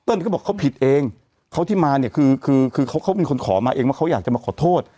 ก็บอกเขาผิดเองเขาที่มาเนี่ยคือคือเขาเขามีคนขอมาเองว่าเขาอยากจะมาขอโทษ